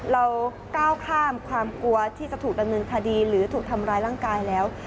เราก้าวข้ามความกลัวที่จะถูกดำเนินคดีหรือถูกทำร้ายร่างกายแล้ว